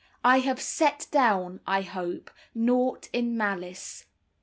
I have "set down," I hope, "nought in malice."